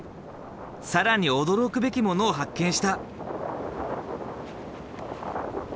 更に驚くべきものを発見した。